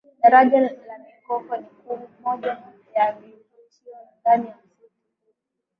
Daraja la mikoko ni moja ya vivutio ndani ya msitu huo